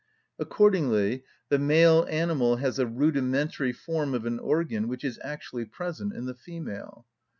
Accordingly the male animal has a rudimentary form of an organ which is actually present in the female.